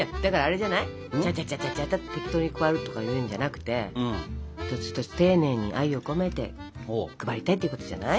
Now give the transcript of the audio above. ちゃちゃちゃちゃちゃちゃって適当に配るとかいうんじゃなくて一つ一つ丁寧に愛を込めて配りたいっていうことじゃない？